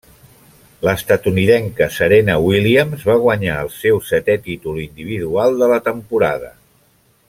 L'estatunidenca Serena Williams va guanyar el seu setè títol individual de la temporada.